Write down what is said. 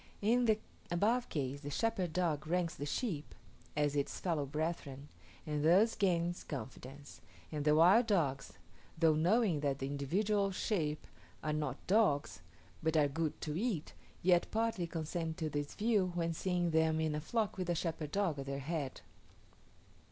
In the above case the shepherd dog ranks the sheep as its fellow brethren, and thus gains confidence; and the wild dogs, though knowing that the individual sheep are not dogs, but are good to eat, yet partly consent to this view when seeing them in a flock with a shepherd dog at their head.